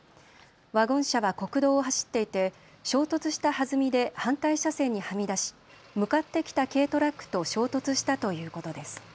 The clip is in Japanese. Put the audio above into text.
ワゴン車は国道を走っていて衝突したはずみで反対車線にはみ出し、向かってきた軽トラックと衝突したということです。